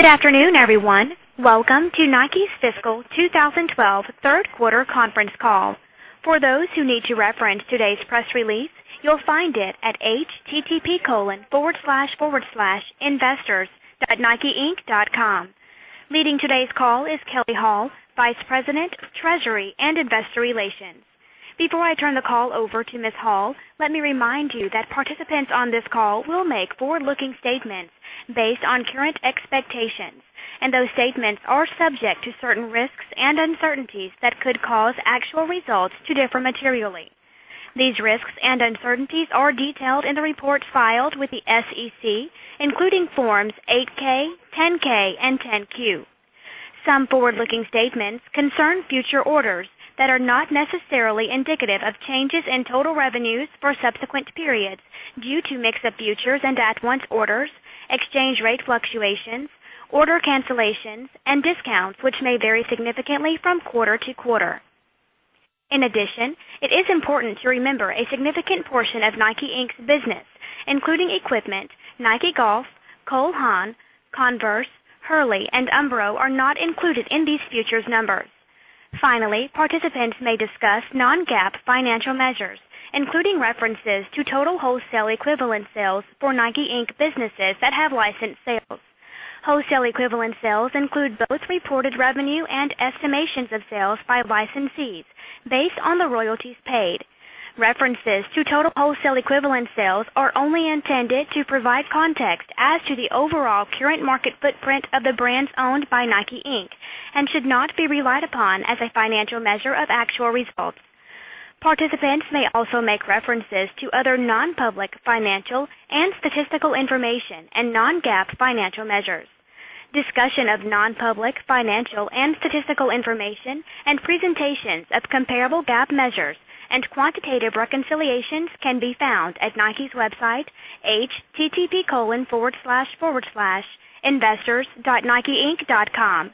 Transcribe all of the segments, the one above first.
Good afternoon, everyone. Welcome to Nike's Fiscal 2012 Third Quarter Conference Call. For those who need to reference today's press release, you'll find it at https://investors.nikeinc.com. Leading today's call is Kelley Hall, Vice President, Treasury and Investor Relations. Before I turn the call over to Ms. Hall, let me remind you that participants on this call will make forward-looking statements based on current expectations, and those statements are subject to certain risks and uncertainties that could cause actual results to differ materially. These risks and uncertainties are detailed in the report filed with the SEC, including forms 8-K, 10-K, and 10-Q. Some forward-looking statements concern future orders that are not necessarily indicative of changes in total revenues for subsequent periods due to mix of futures and at once orders, exchange rate fluctuations, order cancellations, and discounts which may vary significantly from quarter to quarter. In addition, it is important to remember a significant portion of Nike, Inc.'s business, including equipment, Nike Golf, Cole Haan, Converse, Hurley, and Umbro, are not included in these futures numbers. Finally, participants may discuss non-GAAP financial measures, including references to total wholesale equivalent sales for Nike, Inc. businesses that have licensed sales. Wholesale equivalent sales include both reported revenue and estimations of sales by licensees based on the royalties paid. References to total wholesale equivalent sales are only intended to provide context as to the overall current market footprint of the brands owned by Nike, Inc. and should not be relied upon as a financial measure of actual results. Participants may also make references to other non-public financial and statistical information and non-GAAP financial measures. Discussion of non-public financial and statistical information and presentations of comparable GAAP measures and quantitative reconciliations can be found at Nike's website, https://investors.nikeinc.com.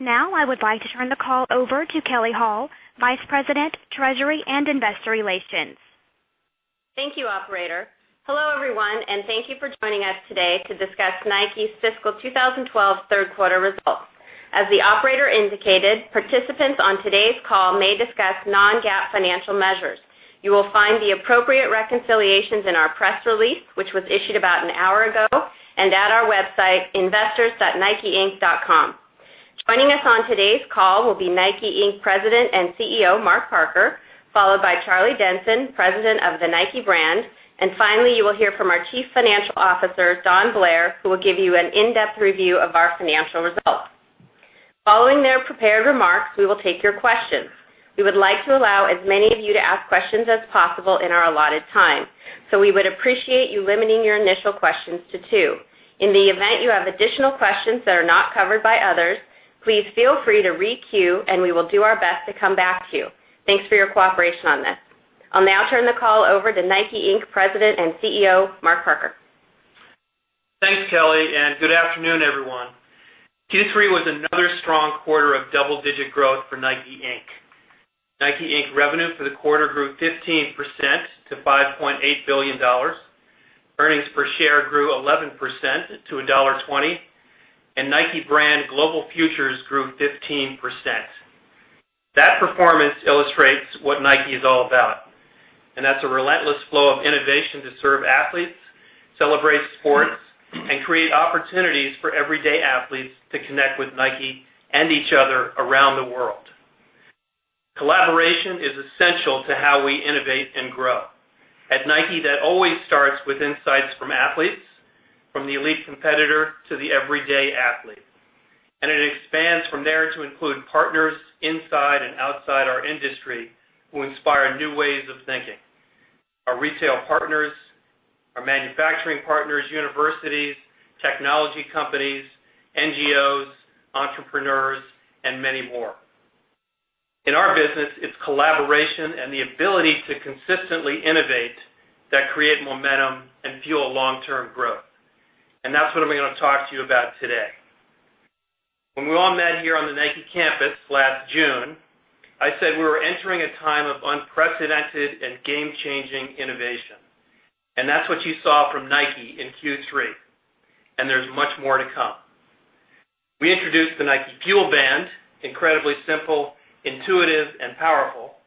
Now, I would like to turn the call over to Kelley Hall, Vice President, Treasury and Investor Relations. Thank you, operator. Hello everyone, and thank you for joining us today to discuss Nike's fiscal 2012 third quarter results. As the operator indicated, participants on today's call may discuss non-GAAP financial measures. You will find the appropriate reconciliations in our press release, which was issued about an hour ago, and at our website, investors.nikeinc.com. Joining us on today's call will be Nike, Inc. President and CEO Mark Parker, followed by Charlie Denson, President of the Nike Brand, and finally, you will hear from our Chief Financial Officer, Don Blair, who will give you an in-depth review of our financial results. Following their prepared remarks, we will take your questions. We would like to allow as many of you to ask questions as possible in our allotted time, so we would appreciate you limiting your initial questions to two. In the event you have additional questions that are not covered by others, please feel free to re-queue, and we will do our best to come back to you. Thanks for your cooperation on this. I'll now turn the call over to Nike, Inc. President and CEO Mark Parker. Thanks, Kelley, and good afternoon, everyone. Q3 was another strong quarter of double-digit growth for Nike, Inc. Nike, Inc. revenue for the quarter grew 15% to $5.8 billion. Earnings per share grew 11% to $1.20, and Nike Brand global futures grew 15%. That performance illustrates what Nike is all about, and that's a relentless flow of innovation to serve athletes, celebrate sports, and create opportunities for everyday athletes to connect with Nike and each other around the world. Collaboration is essential to how we innovate and grow. At Nike, that always starts with insights from athletes, from the elite competitor to the everyday athlete, and it expands from there to include partners inside and outside our industry who inspire new ways of thinking. Our retail partners, our manufacturing partners, universities, technology companies, NGOs, entrepreneurs, and many more. In our business, it's collaboration and the ability to consistently innovate that create momentum and fuel long-term growth, and that's what I'm going to talk to you about today. When we all met here on the Nike campus last June, I said we were entering a time of unprecedented and game-changing innovation, and that's what you saw from Nike in Q3, and there's much more to come. We introduced the Nike FuelBand, incredibly simple, intuitive, and powerful.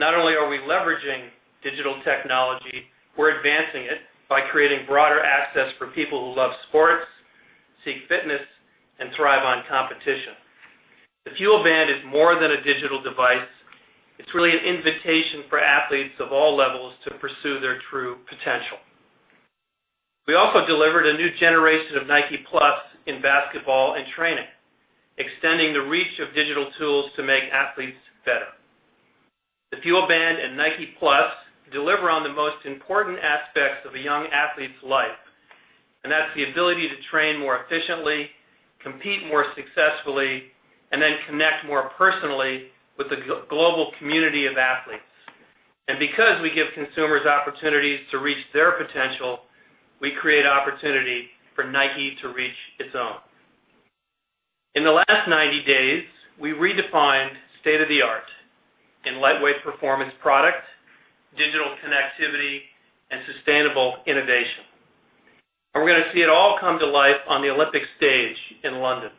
Not only are we leveraging digital technology, we're advancing it by creating broader access for people who love sports, seek fitness, and thrive on competition. The FuelBand is more than a digital device; it's really an invitation for athletes of all levels to pursue their true potential. We also delivered a new generation of Nike+ in basketball and training, extending the reach of digital tools to make athletes better. The FuelBand and Nike+ deliver on the most important aspects of a young athlete's life, and that's the ability to train more efficiently, compete more successfully, and then connect more personally with the global community of athletes. Because we give consumers opportunities to reach their potential, we create opportunity for Nike to reach its own. In the last 90 days, we redefined state-of-the-art in lightweight performance products, digital connectivity, and sustainable innovation. We're going to see it all come to life on the Olympic stage in London.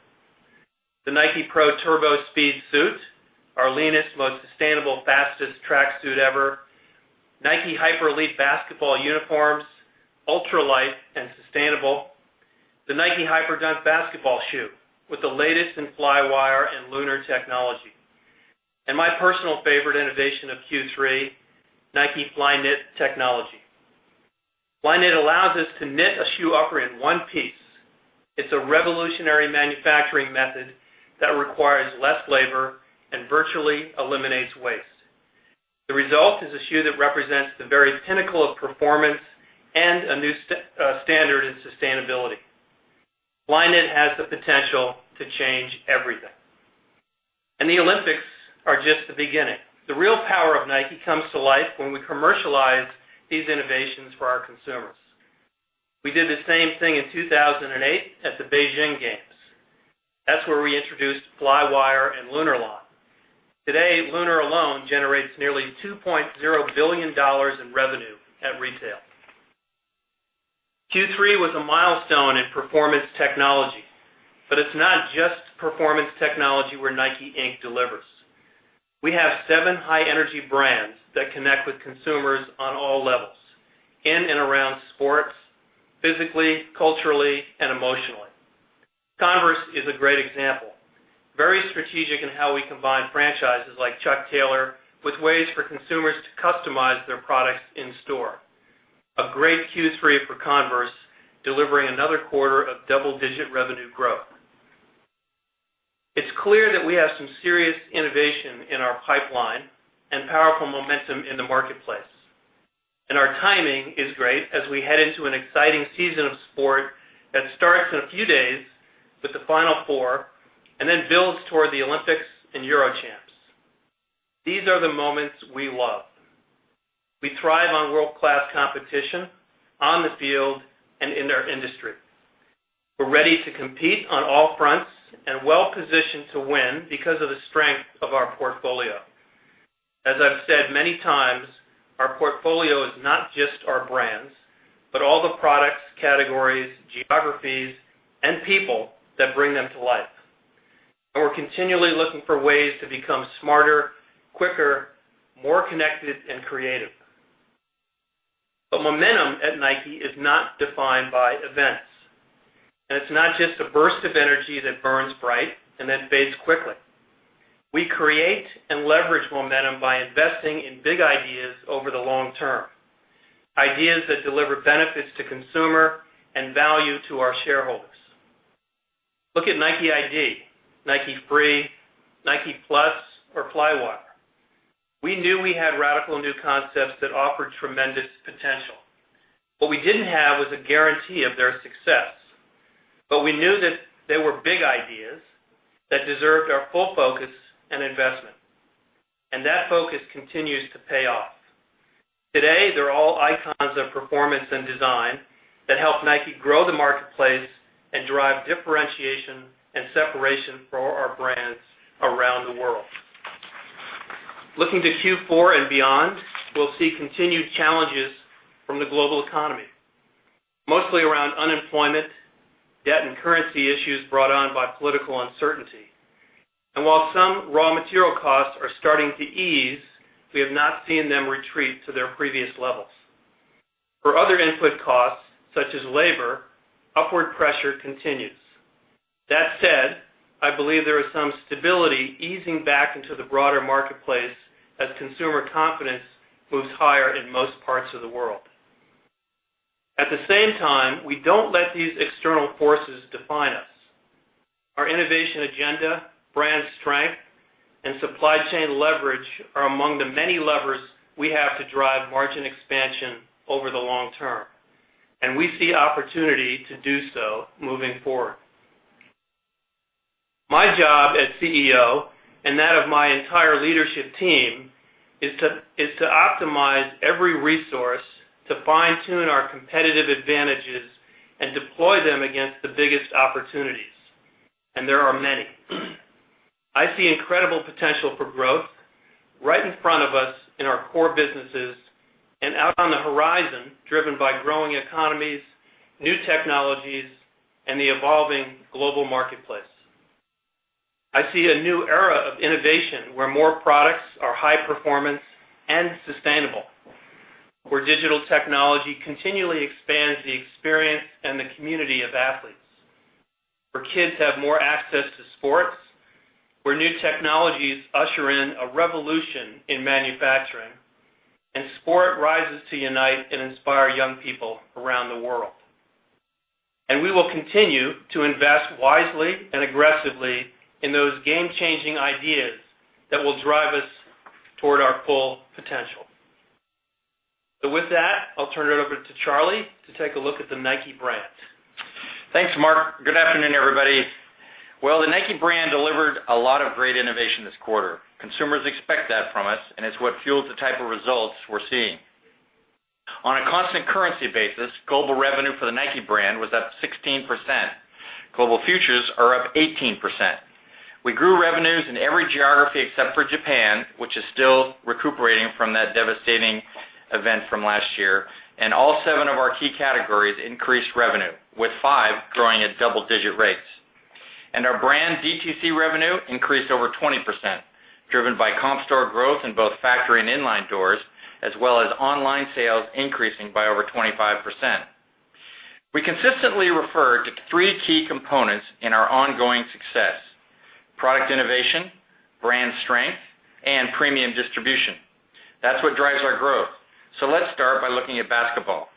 The Nike Pro TurboSpeed Suit, our leanest, most sustainable, fastest track suit ever, Nike Hyper Elite basketball uniforms, ultra-light and sustainable, the Nike Hyperdunk basketball shoe with the latest in Flywire and Lunar technology, and my personal favorite innovation of Q3, Nike Flyknit technology. Flyknit allows us to knit a shoe upper in one piece. It's a revolutionary manufacturing method that requires less labor and virtually eliminates waste. The result is a shoe that represents the very pinnacle of performance and a new standard in sustainability. Flyknit has the potential to change everything, and the Olympics are just the beginning. The real power of Nike comes to life when we commercialize these innovations for our consumers. We did the same thing in 2008 at the Beijing Games. That's where we introduced Flywire and Lunar line. Today, Lunar alone generates nearly $2.0 billion in revenue at retail. Q3 was a milestone in performance technology, but it's not just performance technology where Nike, Inc. delivers. We have seven high-energy brands that connect with consumers on all levels, in and around sports, physically, culturally, and emotionally. Converse is a great example, very strategic in how we combine franchises like Chuck Taylor with ways for consumers to customize their products in store. A great Q3 for Converse, delivering another quarter of double-digit revenue growth. It's clear that we have some serious innovation in our pipeline and powerful momentum in the marketplace, and our timing is great as we head into an exciting season of sport that starts in a few days with the Final Four and then builds toward the Olympics and Euro Champs. These are the moments we love. We thrive on world-class competition on the field and in our industry. We're ready to compete on all fronts and well-positioned to win because of the strength of our portfolio. As I've said many times, our portfolio is not just our brands, but all the products, categories, geographies, and people that bring them to life. We're continually looking for ways to become smarter, quicker, more connected, and creative. Momentum at Nike is not defined by events, and it's not just a burst of energy that burns bright and then fades quickly. We create and leverage momentum by investing in big ideas over the long-term, ideas that deliver benefits to consumers and value to our shareholders. Look at Nike ID, Nike Free, Nike+, or Flywire. We knew we had radical new concepts that offered tremendous potential. What we didn't have was a guarantee of their success, but we knew that they were big ideas that deserved our full focus and investment, and that focus continues to pay off. Today, they're all icons of performance and design that help Nike grow the marketplace and drive differentiation and separation for our brands around the world. Looking to Q4 and beyond, we'll see continued challenges from the global economy, mostly around unemployment, debt, and currency issues brought on by political uncertainty. While some raw material costs are starting to ease, we have not seen them retreat to their previous levels. For other input costs, such as labor, upward pressure continues. That said, I believe there is some stability easing back into the broader marketplace as consumer confidence moves higher in most parts of the world. At the same time, we don't let these external forces define us. Our innovation agenda, brand strength, and supply chain leverage are among the many levers we have to drive margin expansion over the long-term, and we see opportunity to do so moving forward. My job as CEO and that of my entire leadership team is to optimize every resource to fine-tune our competitive advantages and deploy them against the biggest opportunities, and there are many. I see incredible potential for growth right in front of us in our core businesses and out on the horizon, driven by growing economies, new technologies, and the evolving global marketplace. I see a new era of innovation where more products are high-performance and sustainable, where digital technology continually expands the experience and the community of athletes, where kids have more access to sports, where new technologies usher in a revolution in manufacturing, and sport rises to unite and inspire young people around the world. We will continue to invest wisely and aggressively in those game-changing ideas that will drive us toward our full potential. I'll turn it over to Charlie to take a look at the Nike Brand. Thanks, Mark. Good afternoon, everybody. The Nike Brand delivered a lot of great innovation this quarter. Consumers expect that from us, and it's what fuels the type of results we're seeing. On a constant currency basis, global revenue for the Nike Brand was at 16%. Global futures are up 18%. We grew revenues in every geography except for Japan, which is still recuperating from that devastating event from last year, and all seven of our key categories increased revenue, with five growing at double-digit rates. Our brand DTC revenue increased over 20%, driven by comp store growth in both factory and inline doors, as well as online sales increasing by over 25%. We consistently refer to three key components in our ongoing success: product innovation, brand strength, and premium distribution. That's what drives our growth. Let's start by looking at basketball.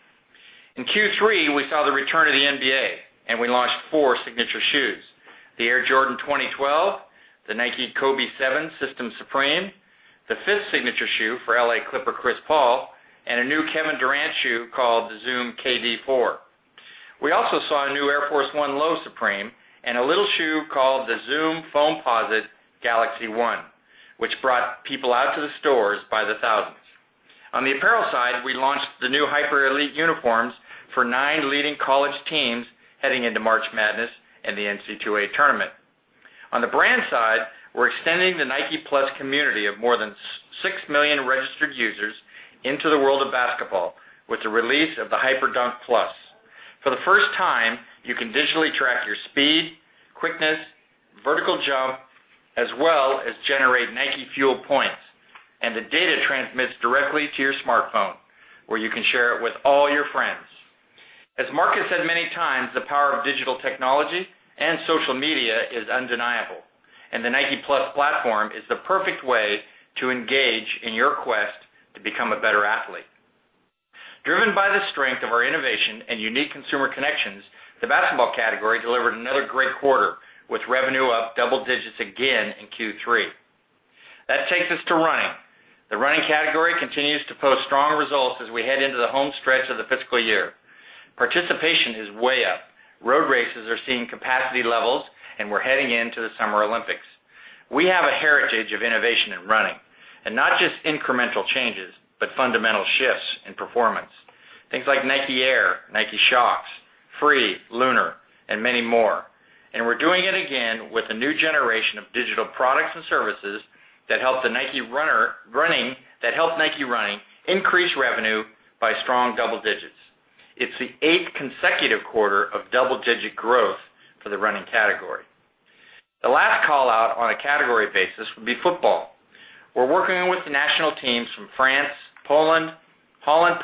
In Q3, we saw the return of the NBA, and we launched four signature shoes: the Air Jordan 2012, the Nike Kobe VII System Supreme, the fifth signature shoe for L.A. Clipper Chris Paul, and a new Kevin Durant shoe called the Zoom KD 4. We also saw a new Air Force 1 Low Supreme and a little shoe called the Zoom Foamposite One Galaxy, which brought people out to the stores by the thousands. On the apparel side, we launched the new Hyper Elite uniforms for nine leading college teams heading into March Madness and the NCAA tournament. On the brand side, we're extending the Nike+ community of more than 6 million registered users into the world of basketball with the release of the Hyperdunk+. For the first time, you can digitally track your speed, quickness, vertical jump, as well as generate NikeFuel points, and the data transmits directly to your smartphone, where you can share it with all your friends. As Mark has said many times, the power of digital technology and social media is undeniable, and the Nike+ platform is the perfect way to engage in your quest to become a better athlete. Driven by the strength of our innovation and unique consumer connections, the basketball category delivered another great quarter, with revenue up double digits again in Q3. That takes us to running. The running category continues to post strong results as we head into the home stretch of the fiscal year. Participation is way up. Road races are seeing capacity levels, and we're heading into the Summer Olympics. We have a heritage of innovation in running, and not just incremental changes, but fundamental shifts in performance. Things like Nike Air, Nike Shox, Free, Lunar, and many more. We're doing it again with a new generation of digital products and services that help the Nike Running increase revenue by strong double digits. It's the eighth consecutive quarter of double-digit growth for the running category. The last callout on a category basis would be football. We're working with the national teams from France, Poland,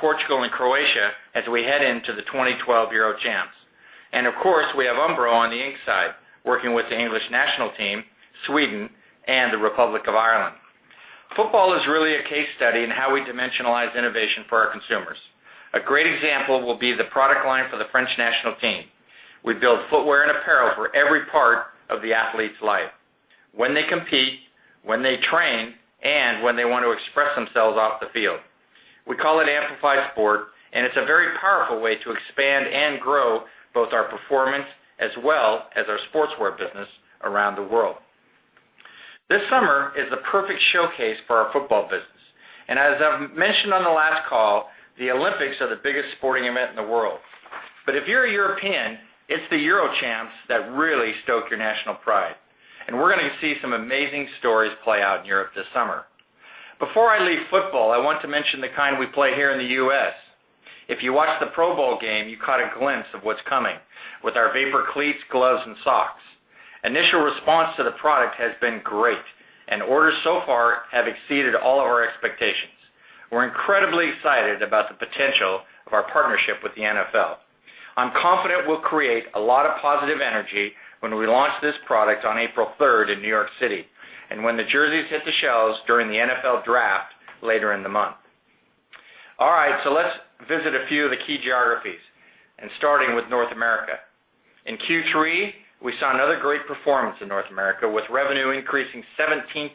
Portugal, and Croatia as we head into the 2012 Euro Champs. Of course, we have Umbro on the Inc. side, working with the English national team, Sweden, and the Republic of Ireland. Football is really a case study in how we dimensionalize innovation for our consumers. A great example will be the product line for the French national team. We build footwear and apparel for every part of the athlete's life: when they compete, when they train, and when they want to express themselves off the field. We call it Amplify sport, and it's a very powerful way to expand and grow both our performance as well as our sportswear business around the world. This summer is the perfect showcase for our football business. As I've mentioned on the last call, the Olympics are the biggest sporting event in the world. If you're a European, it's the Euro Champs that really stoke your national pride, and we're going to see some amazing stories play out in Europe this summer. Before I leave football, I want to mention the kind we play here in the U.S. If you watch the Pro Bowl game, you caught a glimpse of what's coming with our vapor cleats, gloves, and socks. Initial response to the product has been great, and orders so far have exceeded all of our expectations. We're incredibly excited about the potential of our partnership with the NFL. I'm confident we'll create a lot of positive energy when we launch this product on April 3 in New York City and when the jerseys hit the shelves during the NFL draft later in the month. All right, let's visit a few of the key geographies, starting with North America. In Q3, we saw another great performance in North America, with revenue increasing 17%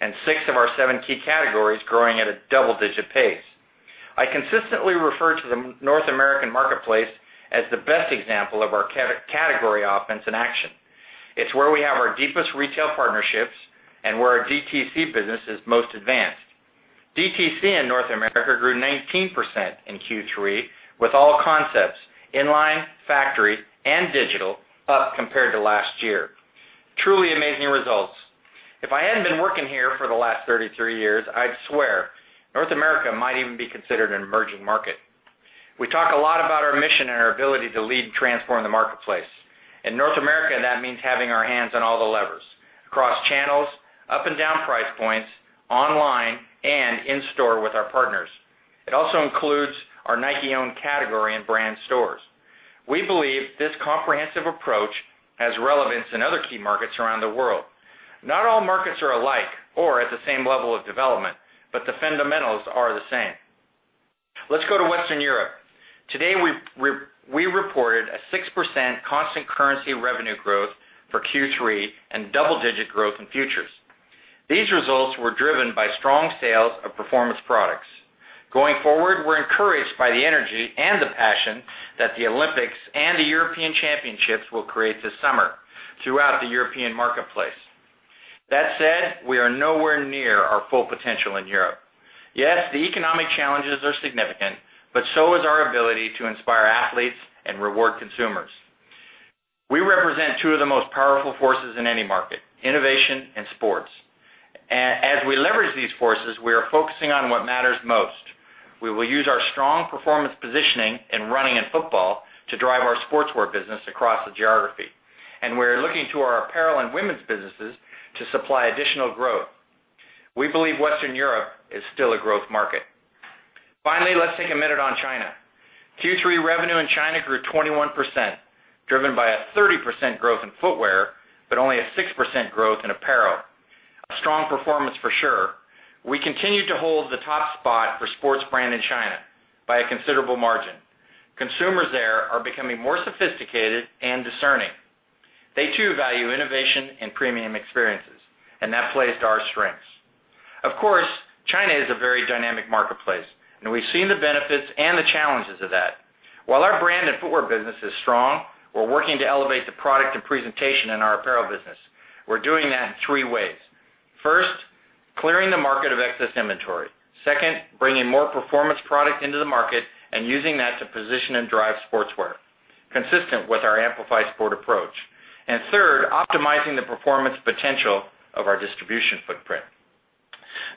and six of our seven key categories growing at a double-digit pace. I consistently refer to the North American marketplace as the best example of our category offense in action. It's where we have our deepest retail partnerships and where our DTC business is most advanced. DTC in North America grew 19% in Q3, with all concepts in line, factory, and digital up compared to last year. Truly amazing results. If I hadn't been working here for the last 33 years, I'd swear North America might even be considered an emerging market. We talk a lot about our mission and our ability to lead and transform the marketplace. In North America, that means having our hands on all the levers across channels, up and down price points, online, and in store with our partners. It also includes our Nike-owned category and brand stores. We believe this comprehensive approach has relevance in other key markets around the world. Not all markets are alike or at the same level of development, but the fundamentals are the same. Let's go to Western Europe. Today, we reported a 6% constant currency revenue growth for Q3 and double-digit growth in futures. These results were driven by strong sales of performance products. Going forward, we're encouraged by the energy and the passion that the Olympics and the European Championships will create this summer throughout the European marketplace. That said, we are nowhere near our full potential in Europe. Yes, the economic challenges are significant, but so is our ability to inspire athletes and reward consumers. We represent two of the most powerful forces in any market: innovation and sports. As we leverage these forces, we are focusing on what matters most. We will use our strong performance positioning in running and football to drive our sportswear business across the geography, and we're looking to our apparel and women's businesses to supply additional growth. We believe Western Europe is still a growth market. Finally, let's take a minute on China. Q3, revenue in China grew 21%, driven by a 30% growth in footwear, but only a 6% growth in apparel. Strong performance for sure. We continue to hold the top spot for sports brand in China by a considerable margin. Consumers there are becoming more sophisticated and discerning. They too value innovation and premium experiences, and that plays to our strengths. Of course, China is a very dynamic marketplace, and we've seen the benefits and the challenges of that. While our brand and footwear business is strong, we're working to elevate the product and presentation in our apparel business. We're doing that in three ways. First, clearing the market of excess inventory. Second, bringing more performance products into the market and using that to position and drive sportswear, consistent with our Amplify sport approach. Third, optimizing the performance potential of our distribution footprint.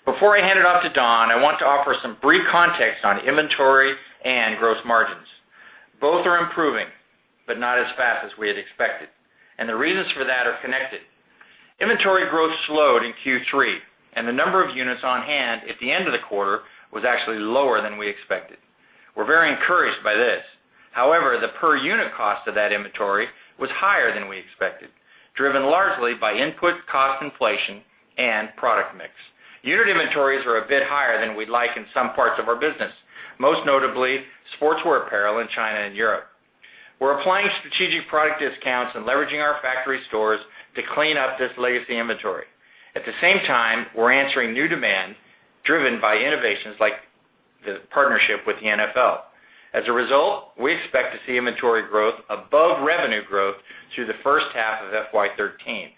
Before I hand it off to Don, I want to offer some brief context on inventory and gross margins. Both are improving, but not as fast as we had expected, and the reasons for that are connected. Inventory growth slowed in Q3, and the number of units on hand at the end of the quarter was actually lower than we expected. We're very encouraged by this. However, the per unit cost of that inventory was higher than we expected, driven largely by input cost inflation and product mix. Unit inventories are a bit higher than we'd like in some parts of our business, most notably sportswear apparel in China and Europe. We're applying strategic product discounts and leveraging our factory stores to clean up this legacy inventory. At the same time, we're answering new demand driven by innovations like the partnership with the NFL. As a result, we expect to see inventory growth above revenue growth through the first half of FY 2013,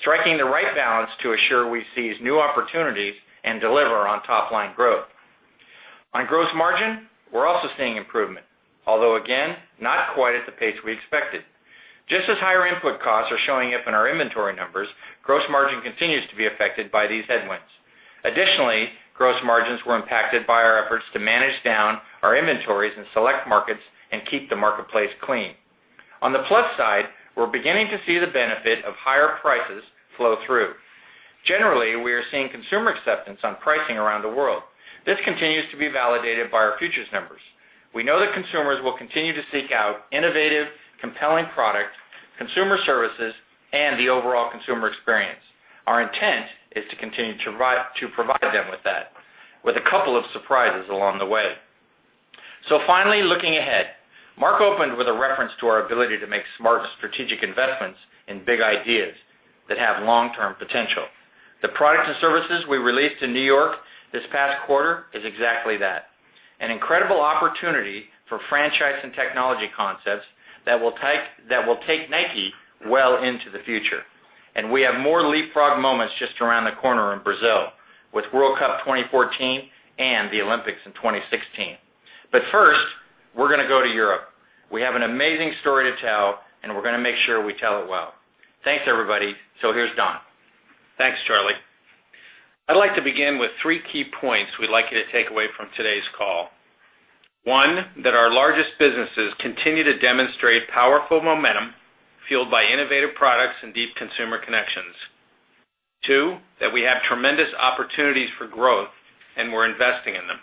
striking the right balance to assure we seize new opportunities and deliver on top-line growth. On gross margin, we're also seeing improvement, although again, not quite at the pace we expected. Just as higher input costs are showing up in our inventory numbers, gross margin continues to be affected by these headwinds. Additionally, gross margins were impacted by our efforts to manage down our inventories in select markets and keep the marketplace clean. On the plus side, we're beginning to see the benefit of higher prices flow through. Generally, we are seeing consumer acceptance on pricing around the world. This continues to be validated by our futures numbers. We know that consumers will continue to seek out innovative, compelling products, consumer services, and the overall consumer experience. Our intent is to continue to provide them with that, with a couple of surprises along the way. Finally, looking ahead, Mark opened with a reference to our ability to make smart and strategic investments in big ideas that have long-term potential. The products and services we released in New York this past quarter are exactly that: an incredible opportunity for franchise and technology concepts that will take Nike well into the future. We have more leapfrog moments just around the corner in Brazil with World Cup 2014 and the Olympics in 2016. First, we're going to go to Europe. We have an amazing story to tell, and we're going to make sure we tell it well. Thanks, everybody. Here's Don. Thanks, Charlie. I'd like to begin with three key points we'd like you to take away from today's call. One, that our largest businesses continue to demonstrate powerful momentum fueled by innovative products and deep consumer connections. Two, that we have tremendous opportunities for growth, and we're investing in them.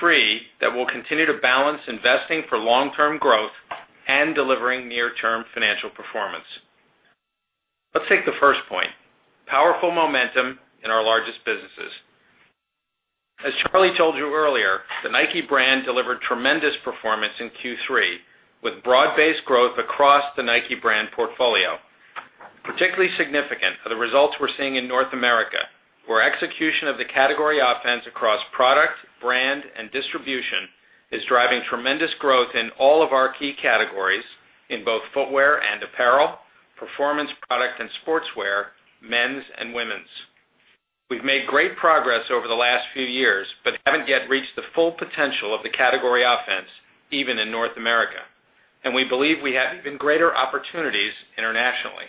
Three, that we'll continue to balance investing for long-term growth and delivering near-term financial performance. Let's take the first point: powerful momentum in our largest businesses. As Charlie told you earlier, the Nike Brand delivered tremendous performance in Q3 with broad-based growth across the Nike Brand portfolio. Particularly significant are the results we're seeing in North America, where execution of the category offense across product, brand, and distribution is driving tremendous growth in all of our key categories in both footwear and apparel, performance products and sportswear, men's, and women's. We've made great progress over the last few years, but haven't yet reached the full potential of the category offense, even in North America. We believe we have even greater opportunities internationally.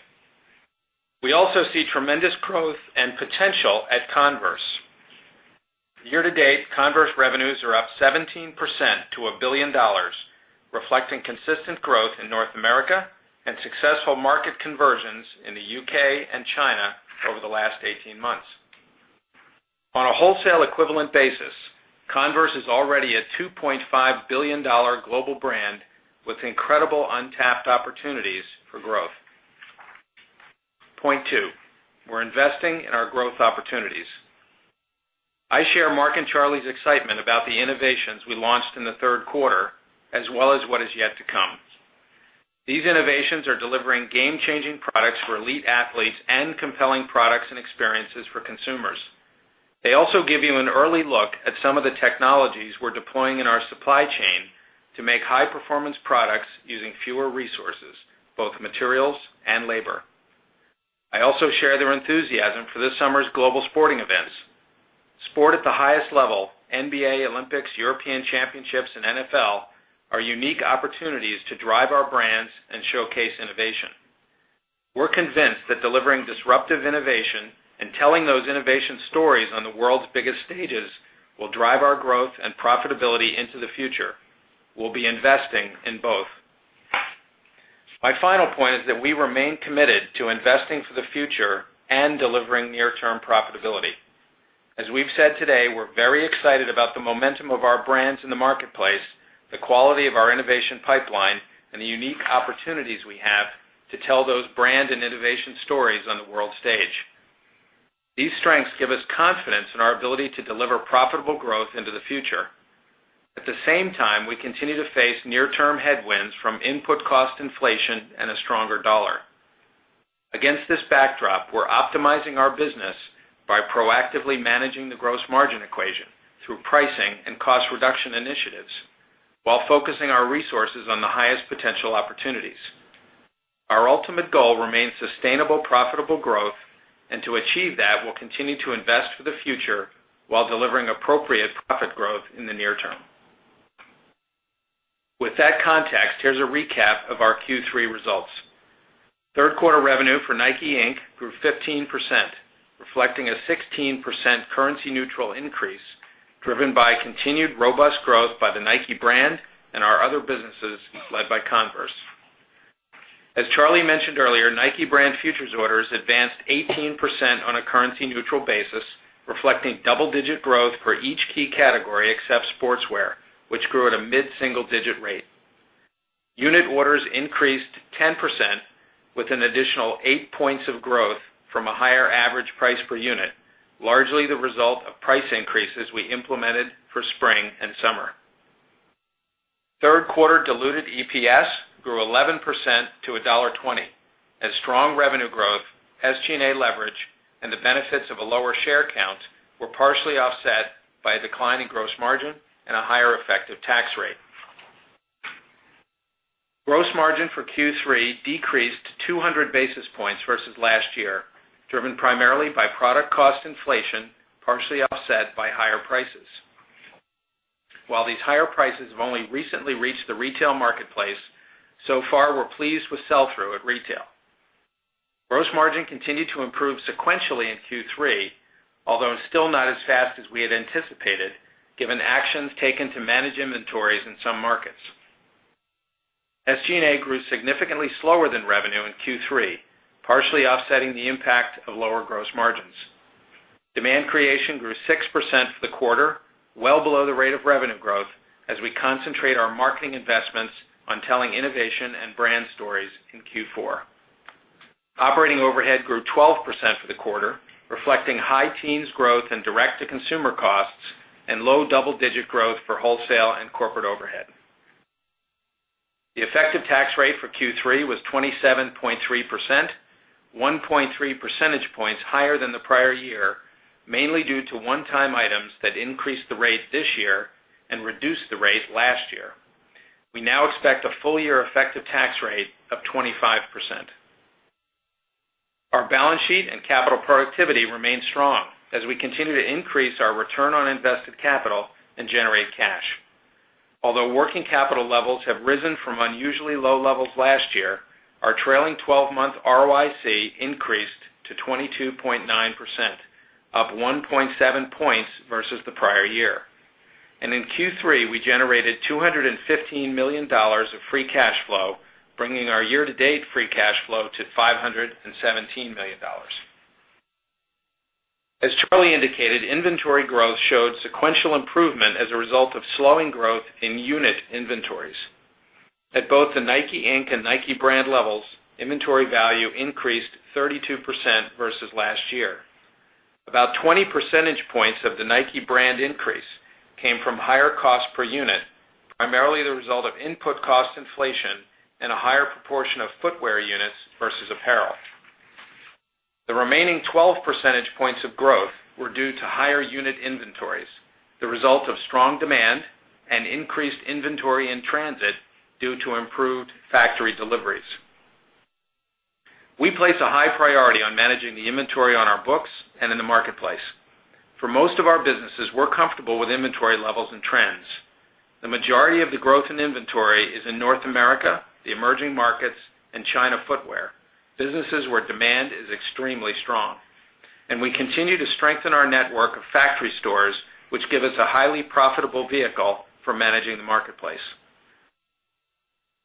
We also see tremendous growth and potential at Converse. Year to date, Converse revenues are up 17% to $1 billion, reflecting consistent growth in North America and successful market conversions in the U.K. and China over the last 18 months. On a wholesale equivalent basis, Converse is already a $2.5 billion global brand with incredible untapped opportunities for growth. Point two: we're investing in our growth opportunities. I share Mark and Charlie's excitement about the innovations we launched in the third quarter, as well as what is yet to come. These innovations are delivering game-changing products for elite athletes and compelling products and experiences for consumers. They also give you an early look at some of the technologies we're deploying in our supply chain to make high-performance products using fewer resources, both materials and labor. I also share their enthusiasm for this summer's global sporting events. Sport at the highest level: NBA, Olympics, European Championships, and NFL are unique opportunities to drive our brands and showcase innovation. We're convinced that delivering disruptive innovation and telling those innovation stories on the world's biggest stages will drive our growth and profitability into the future. We'll be investing in both. My final point is that we remain committed to investing for the future and delivering near-term profitability. As we've said today, we're very excited about the momentum of our brands in the marketplace, the quality of our innovation pipeline, and the unique opportunities we have to tell those brand and innovation stories on the world stage. These strengths give us confidence in our ability to deliver profitable growth into the future. At the same time, we continue to face near-term headwinds from input cost inflation and a stronger dollar. Against this backdrop, we're optimizing our business by proactively managing the gross margin equation through pricing and cost reduction initiatives while focusing our resources on the highest potential opportunities. Our ultimate goal remains sustainable, profitable growth, and to achieve that, we'll continue to invest for the future while delivering appropriate profit growth in the near term. With that context, here's a recap of our Q3 results. Third quarter revenue for Nike, Inc. grew 15%, reflecting a 16% currency-neutral increase driven by continued robust growth by the Nike Brand and our other businesses led by Converse. As Charlie mentioned earlier, Nike Brand futures orders advanced 18% on a currency-neutral basis, reflecting double-digit growth for each key category except sportswear, which grew at a mid-single-digit rate. Unit orders increased 10%, with an additional eight points of growth from a higher average price per unit, largely the result of price increases we implemented for spring and summer. Third quarter diluted EPS grew 11% to $1.20, as strong revenue growth, SG&A leverage, and the benefits of a lower share count were partially offset by a declining gross margin and a higher effective tax rate. Gross margin for Q3 decreased 200 basis points versus last year, driven primarily by product cost inflation partially offset by higher prices. While these higher prices have only recently reached the retail marketplace, so far, we're pleased with sell-through at retail. Gross margin continued to improve sequentially in Q3, although still not as fast as we had anticipated, given actions taken to manage inventories in some markets. SG&A grew significantly slower than revenue in Q3, partially offsetting the impact of lower gross margins. Demand creation grew 6% for the quarter, well below the rate of revenue growth, as we concentrate our marketing investments on telling innovation and brand stories in Q4. Operating overhead grew 12% for the quarter, reflecting high teams growth and direct-to-consumer costs and low double-digit growth for wholesale and corporate overhead. The effective tax rate for Q3 was 27.3%, 1.3 percentage points higher than the prior year, mainly due to one-time items that increased the rate this year and reduced the rate last year. We now expect a full-year effective tax rate of 25%. Our balance sheet and capital productivity remain strong as we continue to increase our return on invested capital and generate cash. Although working capital levels have risen from unusually low levels last year, our trailing 12-month ROIC increased to 22.9%, up 1.7 points versus the prior year. In Q3, we generated $215 million of free cash flow, bringing our year-to-date free cash flow to $517 million. As Charlie indicated, inventory growth showed sequential improvement as a result of slowing growth in unit inventories. At both the Nike, Inc. and Nike Brand levels, inventory value increased 32% versus last year. About 20 percentage points of the Nike Brand increase came from higher costs per unit, primarily the result of input cost inflation and a higher proportion of footwear units versus apparel. The remaining 12 percentage points of growth were due to higher unit inventories, the result of strong demand and increased inventory in transit due to improved factory deliveries. We place a high priority on managing the inventory on our books and in the marketplace. For most of our businesses, we're comfortable with inventory levels and trends. The majority of the growth in inventory is in North America, the emerging markets, and China footwear, businesses where demand is extremely strong. We continue to strengthen our network of factory stores, which give us a highly profitable vehicle for managing the marketplace.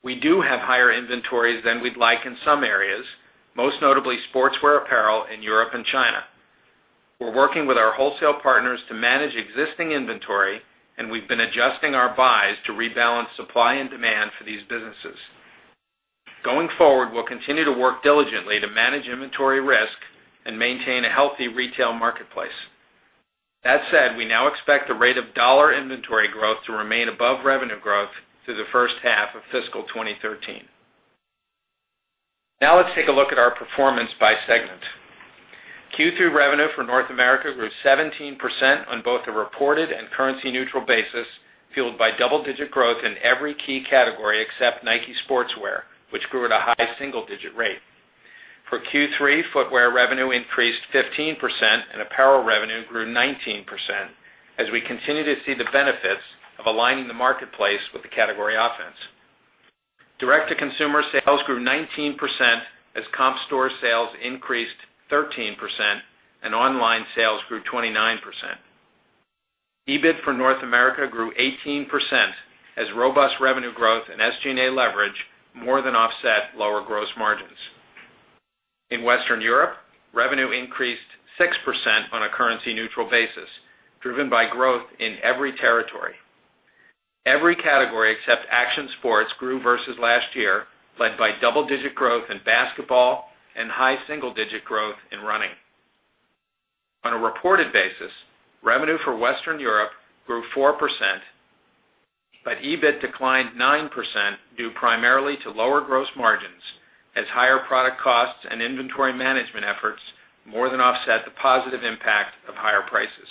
We do have higher inventories than we'd like in some areas, most notably sportswear apparel in Europe and China. We're working with our wholesale partners to manage existing inventory, and we've been adjusting our buys to rebalance supply and demand for these businesses. Going forward, we'll continue to work diligently to manage inventory risk and maintain a healthy retail marketplace. That said, we now expect the rate of dollar inventory growth to remain above revenue growth through the first half of fiscal 2013. Now let's take a look at our performance by segment. Q3 revenue for North America grew 17% on both a reported and currency-neutral basis, fueled by double-digit growth in every key category except Nike sportswear, which grew at a high single-digit rate. For Q3, footwear revenue increased 15% and apparel revenue grew 19%, as we continue to see the benefits of aligning the marketplace with the category offense. Direct-to-consumer sales grew 19% as comp store sales increased 13% and online sales grew 29%. EBIT for North America grew 18% as robust revenue growth and SG&A leverage more than offset lower gross margins. In Western Europe, revenue increased 6% on a currency-neutral basis, driven by growth in every territory. Every category except action sports grew versus last year, led by double-digit growth in basketball and high single-digit growth in running. On a reported basis, revenue for Western Europe grew 4%, but EBIT declined 9% due primarily to lower gross margins as higher product costs and inventory management efforts more than offset the positive impact of higher prices.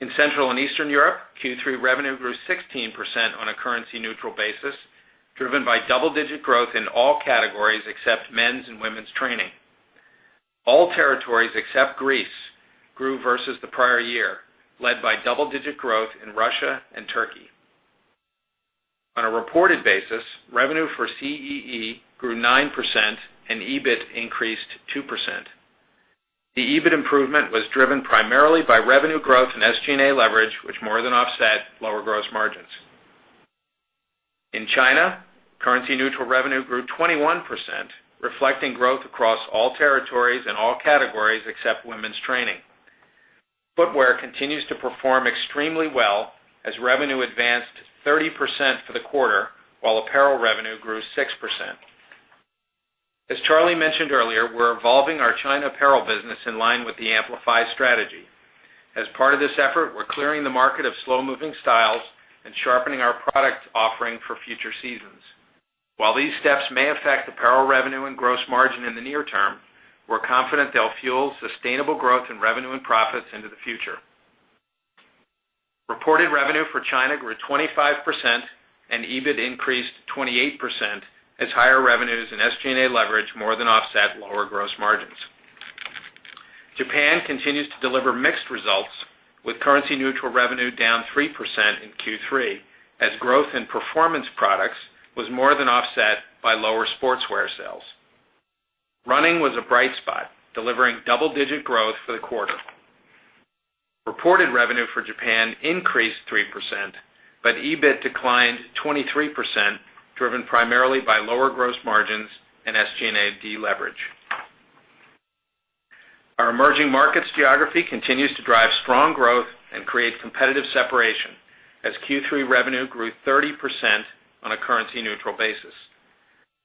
In Central and Eastern Europe, Q3 revenue grew 16% on a currency-neutral basis, driven by double-digit growth in all categories except men's and women's training. All territories except Greece grew versus the prior year, led by double-digit growth in Russia and Turkey. On a reported basis, revenue for CEE grew 9% and EBIT increased 2%. The EBIT improvement was driven primarily by revenue growth and SG&A leverage, which more than offset lower gross margins. In China, currency-neutral revenue grew 21%, reflecting growth across all territories and all categories except women's training. Footwear continues to perform extremely well as revenue advanced 30% for the quarter, while apparel revenue grew 6%. As Charlie mentioned earlier, we're evolving our China apparel business in line with the Amplify strategy. As part of this effort, we're clearing the market of slow-moving styles and sharpening our product offering for future seasons. While these steps may affect apparel revenue and gross margin in the near term, we're confident they'll fuel sustainable growth in revenue and profits into the future. Reported revenue for China grew 25% and EBIT increased 28% as higher revenues and SG&A leverage more than offset lower gross margins. Japan continues to deliver mixed results with currency-neutral revenue down 3% in Q3 as growth in performance products was more than offset by lower sportswear sales. Running was a bright spot, delivering double-digit growth for the quarter. Reported revenue for Japan increased 3%, but EBIT declined 23%, driven primarily by lower gross margins and SG&A deleverage. Our emerging markets geography continues to drive strong growth and create competitive separation as Q3 revenue grew 30% on a currency-neutral basis.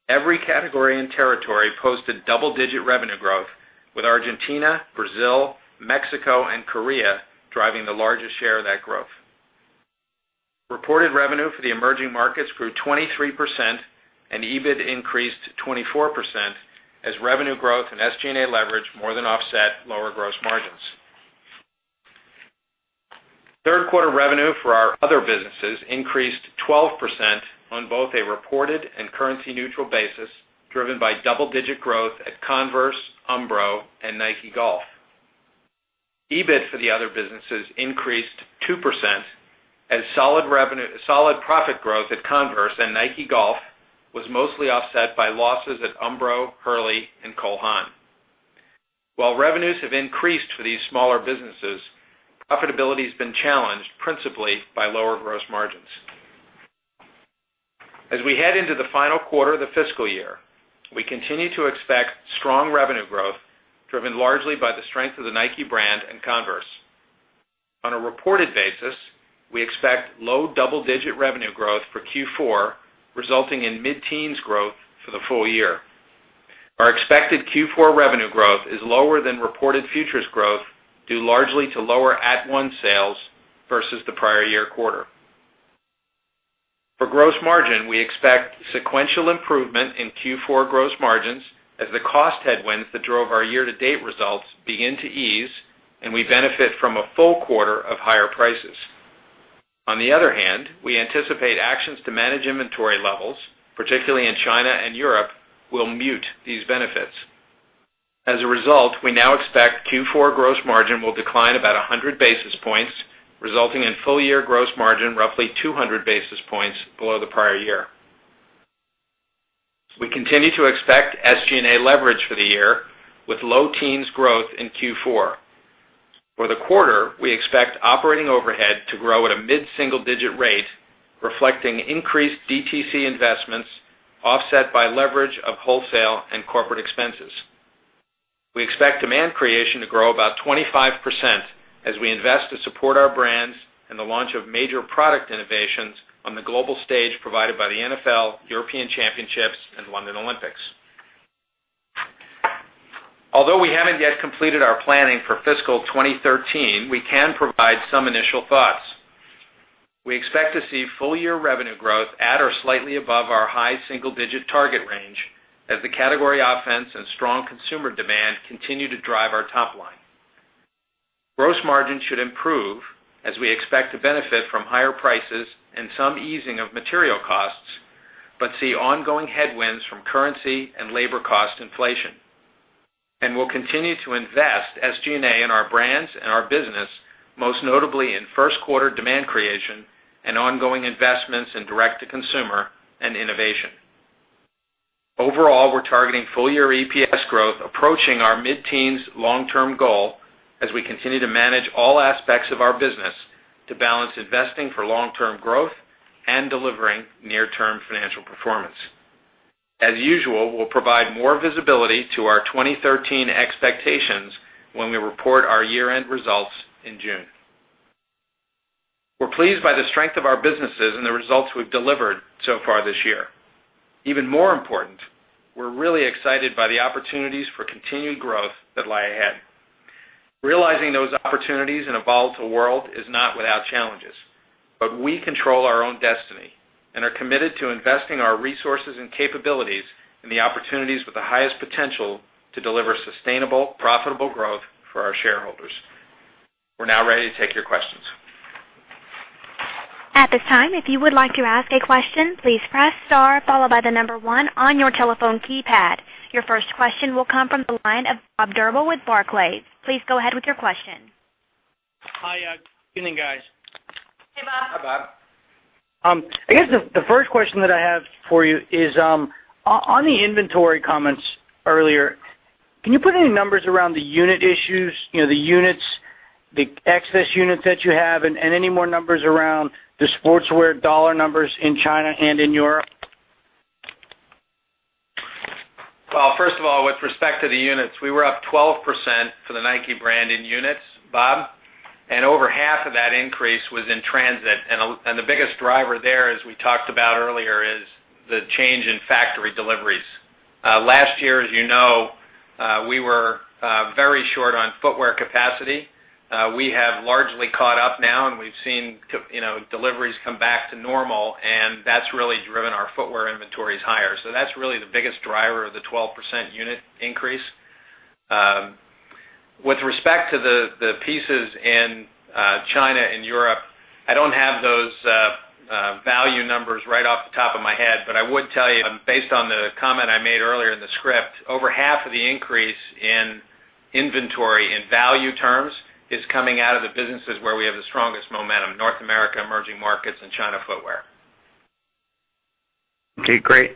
Every category and territory posted double-digit revenue growth, with Argentina, Brazil, Mexico, and Korea driving the largest share of that growth. Reported revenue for the emerging markets grew 23% and EBIT increased 24% as revenue growth and SG&A leverage more than offset lower gross margins. Third quarter revenue for our other businesses increased 12% on both a reported and currency-neutral basis, driven by double-digit growth at Converse, Umbro, and Nike Golf. EBIT for the other businesses increased 2% as solid profit growth at Converse and Nike Golf was mostly offset by losses at Umbro, Hurley, and Cole Haan. While revenues have increased for these smaller businesses, profitability has been challenged principally by lower gross margins. As we head into the final quarter of the fiscal year, we continue to expect strong revenue growth, driven largely by the strength of the Nike Brand and Converse. On a reported basis, we expect low double-digit revenue growth for Q4, resulting in mid-teens growth for the full year. Our expected Q4 revenue growth is lower than reported futures growth, due largely to lower at once sales versus the prior year quarter. For gross margin, we expect sequential improvement in Q4 gross margins as the cost headwinds that drove our year-to-date results begin to ease, and we benefit from a full quarter of higher prices. On the other hand, we anticipate actions to manage inventory levels, particularly in China and Europe, will mute these benefits. As a result, we now expect Q4 gross margin will decline about 100 basis points, resulting in full-year gross margin roughly 200 basis points below the prior year. We continue to expect SG&A leverage for the year, with low teens growth in Q4. For the quarter, we expect operating overhead to grow at a mid-single-digit rate, reflecting increased DTC investments offset by leverage of wholesale and corporate expenses. We expect demand creation to grow about 25% as we invest to support our brands and the launch of major product innovations on the global stage provided by the NFL, European Championships, and London Olympics. Although we haven't yet completed our planning for fiscal 2013, we can provide some initial thoughts. We expect to see full-year revenue growth at or slightly above our high single-digit target range as the category offense strategy and strong consumer demand continue to drive our top line. Gross margin should improve as we expect to benefit from higher prices and some easing of material costs, but see ongoing headwinds from currency and labor cost inflation. We'll continue to invest SG&A in our brands and our business, most notably in first quarter demand creation and ongoing investments in direct-to-consumer and innovation. Overall, we're targeting full-year EPS growth, approaching our mid-teens long-term goal as we continue to manage all aspects of our business to balance investing for long-term growth and delivering near-term financial performance. As usual, we'll provide more visibility to our 2013 expectations when we report our year-end results in June. We're pleased by the strength of our businesses and the results we've delivered so far this year. Even more important, we're really excited by the opportunities for continued growth that lie ahead. Realizing those opportunities in a volatile world is not without challenges, but we control our own destiny and are committed to investing our resources and capabilities in the opportunities with the highest potential to deliver sustainable, profitable growth for our shareholders. We're now ready to take your questions. At this time, if you would like to ask a question, please press star followed by the number one on your telephone keypad. Your first question will come from the line of Bob Drbul with Barclays. Please go ahead with your question. Hi, good evening, guys. Hey, Bob. I guess the first question that I have for you is on the inventory comments earlier. Can you put any numbers around the unit issues, you know, the units, the excess units that you have, and any more numbers around the sportswear dollar numbers in China and in Europe? First of all, with respect to the units, we were up 12% for the Nike Brand in units, Bob, and over half of that increase was in transit. The biggest driver there, as we talked about earlier, is the change in factory deliveries. Last year, as you know, we were very short on footwear capacity. We have largely caught up now, and we've seen deliveries come back to normal, and that's really driven our footwear inventories higher. That's really the biggest driver of the 12% unit increase. With respect to the pieces in China and Europe, I don't have those value numbers right off the top of my head, but I would tell you, based on the comment I made earlier in the script, over half of the increase in inventory in value terms is coming out of the businesses where we have the strongest momentum: North America, emerging markets, and China footwear. Okay, great.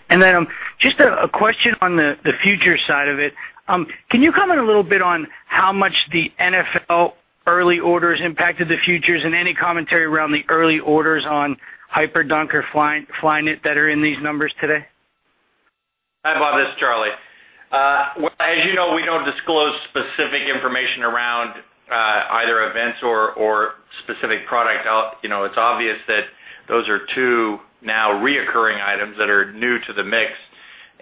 Just a question on the futures side of it. Can you comment a little bit on how much the NFL early orders impacted the futures, and any commentary around the early orders on Hyperdunk or Flyknit that are in these numbers today? Hi, Bob. This is Charlie. As you know, we don't disclose specific information around either events or specific product. It's obvious that those are two now reoccurring items that are new to the mix,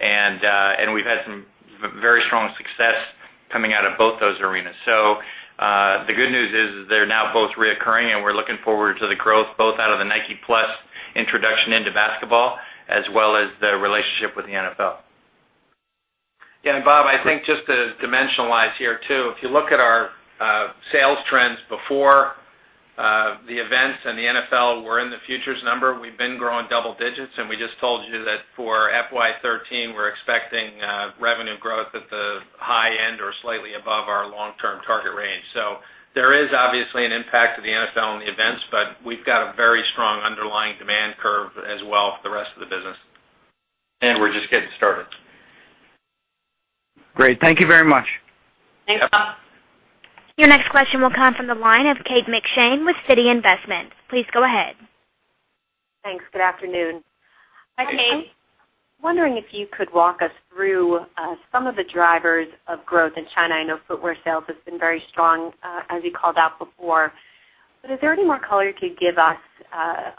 and we've had some very strong success coming out of both those arenas. The good news is they're now both reoccurring, and we're looking forward to the growth both out of the Nike+ introduction into basketball as well as the relationship with the NFL. Yeah, and Bob, I think just to dimensionalize here too, if you look at our sales trends before the events and the NFL, we're in the futures number. We've been growing double digits, and we just told you that for FY 2013, we're expecting revenue growth at the high end or slightly above our long-term target range. There is obviously an impact to the NFL and the events, but we've got a very strong underlying demand curve as well for the rest of the business. And we're just getting started. Great, thank you very much. Thanks, Bob. Your next question will come from the line of Kate McShane with Citi Investment. Please go ahead. Thanks. Good afternoon. Hi, Kate. I'm wondering if you could walk us through some of the drivers of growth in China. I know footwear sales have been very strong, as you called out before, but is there any more color you could give us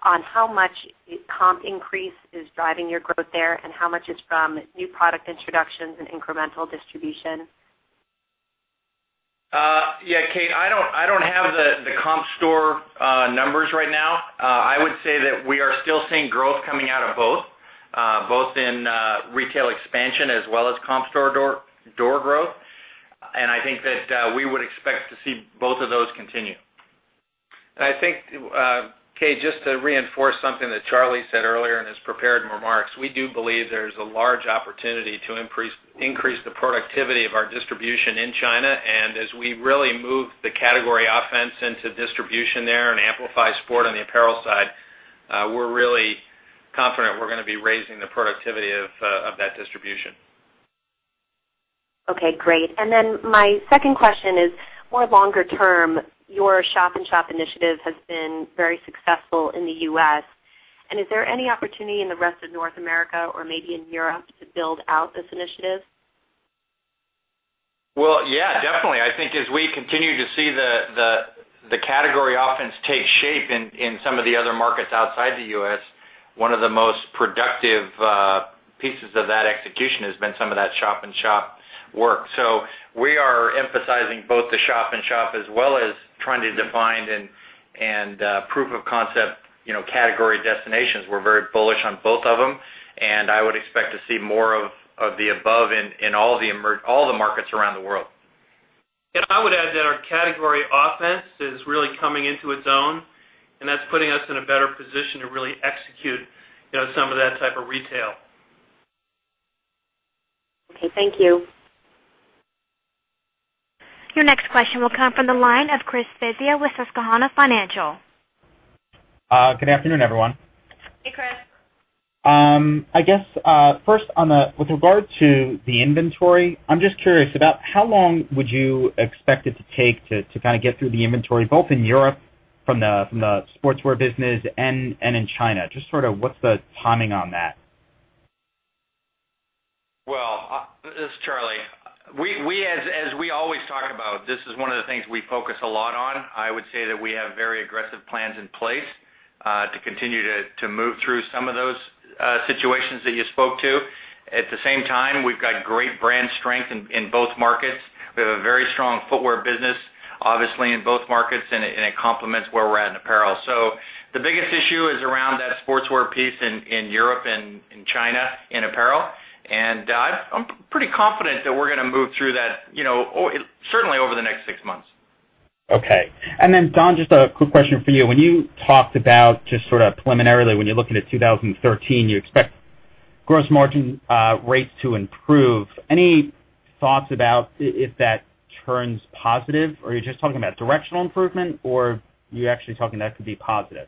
on how much comp increase is driving your growth there and how much is from new product introductions and incremental distribution? Yeah, Kate, I don't have the comp store numbers right now. I would say that we are still seeing growth coming out of both, both in retail expansion as well as comp store door growth. I think that we would expect to see both of those continue. I think, Kate, just to reinforce something that Charlie said earlier in his prepared remarks, we do believe there's a large opportunity to increase the productivity of our distribution in China. As we really move the category offense strategy into distribution there and amplify sport on the apparel side, we're really confident we're going to be raising the productivity of that distribution. Okay, great. My second question is more longer term. Your shop-in-shop initiative has been very successful in the U.S. Is there any opportunity in the rest of North America or maybe in Europe to build out this initiative? I think as we continue to see the category offense strategy take shape in some of the other markets outside the U.S., one of the most productive pieces of that execution has been some of that shop-in-shop work. We are emphasizing both the shop-in-shop as well as trying to define and proof of concept, you know, category destinations. We're very bullish on both of them, and I would expect to see more of the above in all the markets around the world. Our category offense strategy is really coming into its own, and that's putting us in a better position to really execute some of that type of retail. Okay, thank you. Your next question will come from the line of Chris Svezia with Susquehanna Financial. Good afternoon, everyone. Hey, Chris. I guess first, with regard to the inventory, I'm just curious about how long you would expect it to take to kind of get through the inventory both in Europe from the sportswear business and in China. Just sort of what's the timing on that? This is Charlie. As we always talk about, this is one of the things we focus a lot on. I would say that we have very aggressive plans in place to continue to move through some of those situations that you spoke to. At the same time, we've got great brand strength in both markets. We have a very strong footwear business, obviously, in both markets, and it complements where we're at in apparel. The biggest issue is around that sportswear piece in Europe and in China, in apparel. I'm pretty confident that we're going to move through that, certainly over the next six months. Okay. Don, just a quick question for you. When you talked about just sort of preliminarily, when you're looking at 2013, you expect gross margin rates to improve. Any thoughts about if that turns positive, or are you just talking about directional improvement, or are you actually talking that could be positive?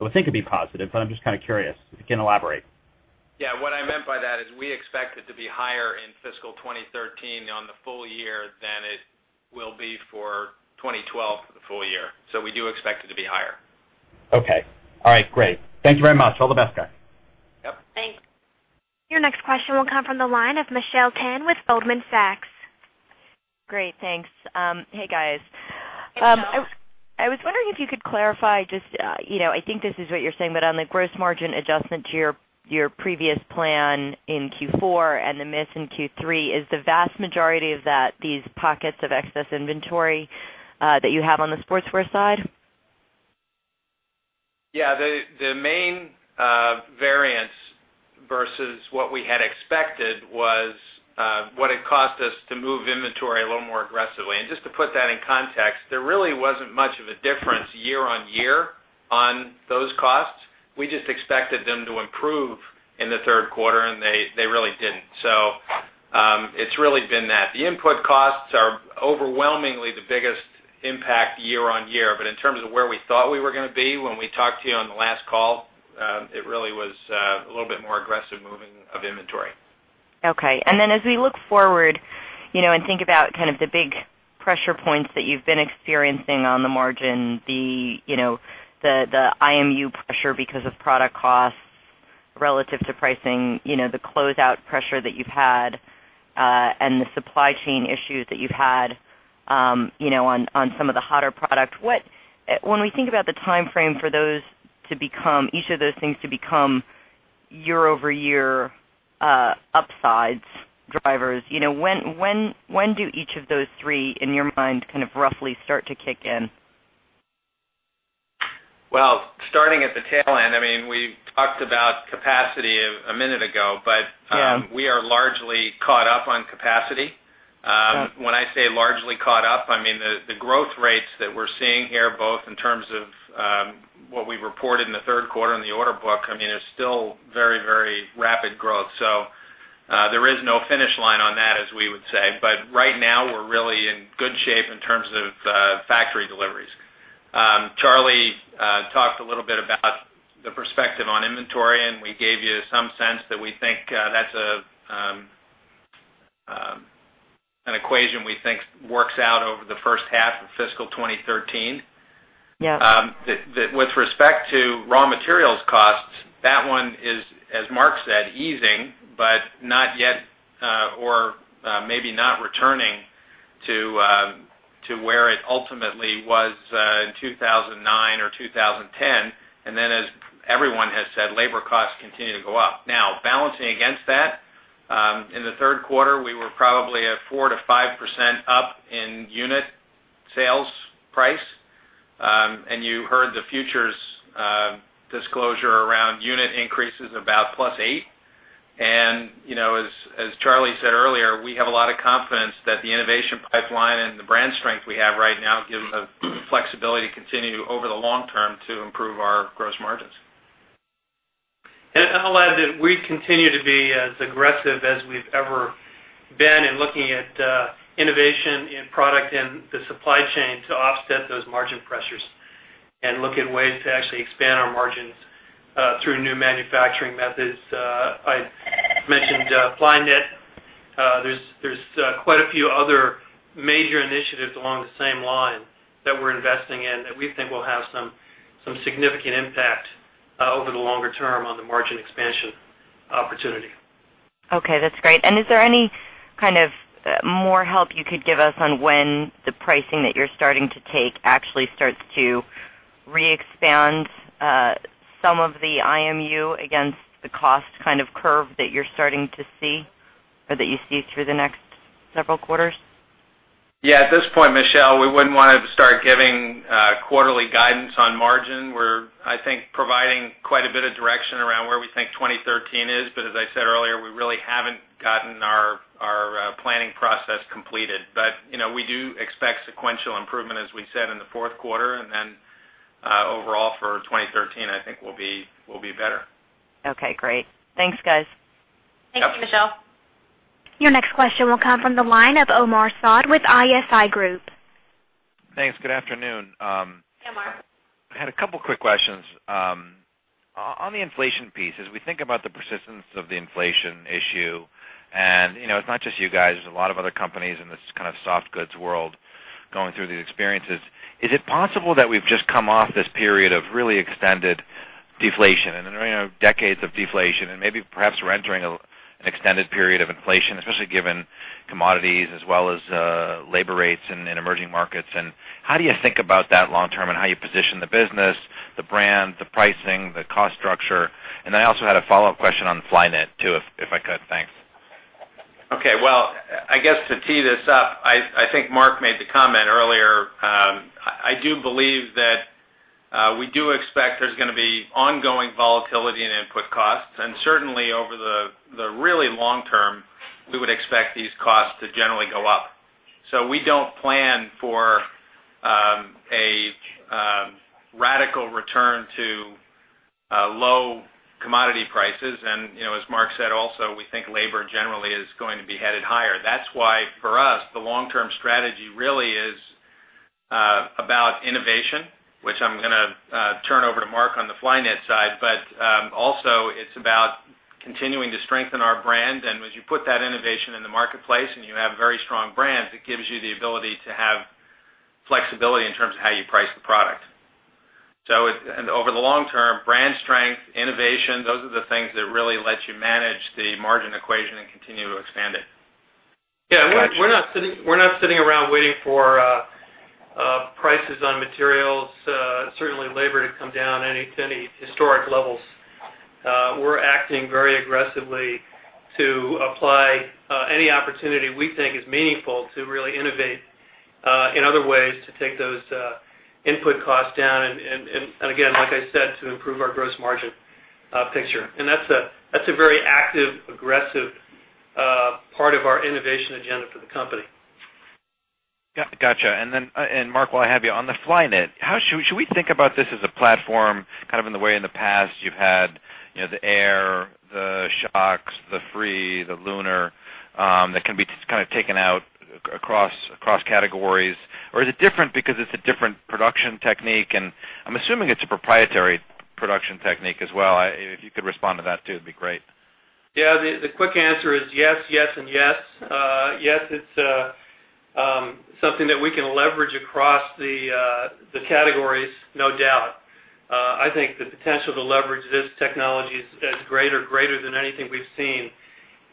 I would think it'd be positive, but I'm just kind of curious if you can elaborate. What I meant by that is we expect it to be higher in fiscal 2013 on the full year than it will be for 2012 for the full year. We do expect it to be higher. Okay. All right, great. Thank you very much. All the best, guys. Thanks. Your next question will come from the line of Michelle Tan with Goldman Sachs. Great, thanks. Hey, guys. I was wondering if you could clarify just, you know, I think this is what you're saying, but on the gross margin adjustment to your previous plan in Q4 and the miss in Q3, is the vast majority of that these pockets of excess inventory that you have on the sportswear side? The main variance versus what we had expected was what it cost us to move inventory a little more aggressively. To put that in context, there really wasn't much of a difference year on year on those costs. We just expected them to improve in the third quarter, and they really didn't. It has really been that. The input costs are overwhelmingly the biggest impact year on year, but in terms of where we thought we were going to be when we talked to you on the last call, it really was a little bit more aggressive moving of inventory. Okay. As we look forward and think about the big pressure points that you've been experiencing on the margin, the IMU pressure because of product costs relative to pricing, the closeout pressure that you've had, and the supply chain issues that you've had on some of the hotter product, when we think about the timeframe for those to become, each of those things to become year-over-year upsides, drivers, when do each of those three, in your mind, roughly start to kick in? Starting at the tail end, I mean, we talked about capacity a minute ago, but we are largely caught up on capacity. When I say largely caught up, I mean the growth rates that we're seeing here, both in terms of what we reported in the third quarter in the order book, is still very, very rapid growth. There is no finish line on that, as we would say. Right now, we're really in good shape in terms of factory deliveries. Charlie talked a little bit about the perspective on inventory, and we gave you some sense that we think that's an equation we think works out over the first half of fiscal 2013. Yeah. With respect to raw materials costs, that one is, as Mark said, easing, but not yet, or maybe not returning to where it ultimately was in 2009 or 2010. Then, as everyone has said, labor costs continue to go up. Now, balancing against that, in the third quarter, we were probably at 4%-5% up in unit sales price. You heard the futures disclosure around unit increases about 8%+. You know, as Charlie said earlier, we have a lot of confidence that the innovation pipeline and the brand strength we have right now give us flexibility to continue over the long-term to improve our gross margins. We continue to be as aggressive as we've ever been in looking at innovation in product in the supply chain to offset those margin pressures and look at ways to actually expand our margins through new manufacturing methods. I mentioned Flyknit. There are quite a few other major initiatives along the same line that we're investing in that we think will have some significant impact over the longer term on the margin expansion opportunity. Okay, that's great. Is there any kind of more help you could give us on when the pricing that you're starting to take actually starts to re-expand some of the IMU against the cost kind of curve that you're starting to see or that you see through the next several quarters? Yeah, at this point, Michelle, we wouldn't want to start giving quarterly guidance on margin. We're, I think, providing quite a bit of direction around where we think 2013 is, but as I said earlier, we really haven't gotten our planning process completed. You know, we do expect sequential improvement, as we said, in the fourth quarter, and then overall for 2013, I think we'll be better. Okay, great. Thanks, guys. Thanks, Michelle. Your next question will come from the line of Omar Saad with ISI Group. Thanks. Good afternoon. Hey, Omar. I had a couple of quick questions. On the inflation piece, as we think about the persistence of the inflation issue, and you know, it's not just you guys, there's a lot of other companies in this kind of soft goods world going through these experiences, is it possible that we've just come off this period of really extended deflation and, you know, decades of deflation and maybe perhaps rendering an extended period of inflation, especially given commodities as well as labor rates in emerging markets? How do you think about that long-term and how you position the business, the brand, the pricing, the cost structure? I also had a follow-up question on Flyknit, too, if I could. Thanks. Okay, I guess to tee this up, I think Mark made the comment earlier. I do believe that we do expect there's going to be ongoing volatility in input costs, and certainly over the really long-term, we would expect these costs to generally go up. We don't plan for a radical return to low commodity prices. As Mark said, we think labor generally is going to be headed higher. That's why, for us, the long-term strategy really is about innovation, which I'm going to turn over to Mark on the Flyknit side, but also it's about continuing to strengthen our brand. As you put that innovation in the marketplace and you have very strong brands, it gives you the ability to have flexibility in terms of how you price the product. Over the long-term, brand strength and innovation, those are the things that really let you manage the margin equation and continue to expand it. Yeah, we're not sitting around waiting for prices on materials, certainly labor, to come down to any historic levels. We're acting very aggressively to apply any opportunity we think is meaningful to really innovate in other ways to take those input costs down and, again, like I said, to improve our gross margin picture. That's a very active, aggressive part of our innovation agenda for the company. Gotcha. Mark, while I have you, on the Flyknit, should we think about this as a platform kind of in the way in the past you've had, you know, the Air, the Shox, the Free, the Lunar that can be kind of taken out across categories? Is it different because it's a different production technique? I'm assuming it's a proprietary production technique as well. If you could respond to that, too, it'd be great. Yeah, the quick answer is yes, yes, and yes. Yes, it's something that we can leverage across the categories, no doubt. I think the potential to leverage this technology is greater, greater than anything we've seen